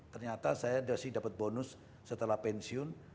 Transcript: ternyata saya masih dapat bonus setelah pensiun